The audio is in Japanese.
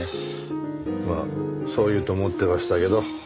まあそう言うと思ってましたけど。